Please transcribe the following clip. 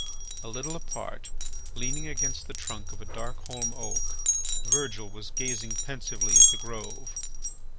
A little apart, leaning against the trunk of a dark holm oak, Virgil was gazing pensively at the grove.